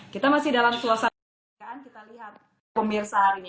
kita masih dalam suasana kemerdekaan kita lihat pemirsa hari ini